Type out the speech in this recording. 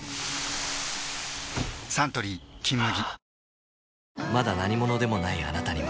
サントリー「金麦」